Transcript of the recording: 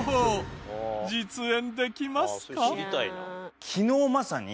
実演できますか？